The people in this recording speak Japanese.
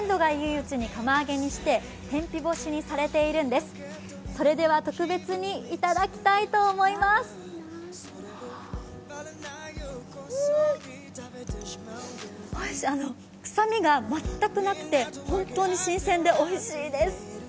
うーん、臭みが全くなくて本当に新鮮でおいしいです。